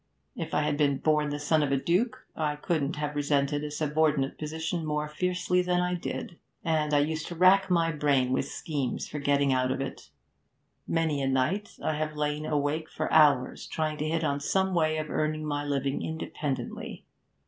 If I had been born the son of a duke, I couldn't have resented a subordinate position more fiercely than I did. And I used to rack my brain with schemes for getting out of it. Many a night I have lain awake for hours, trying to hit on some way of earning my living independently.